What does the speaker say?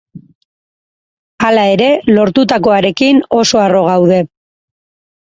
Hala ere lortutakoarekin oso harro gaude.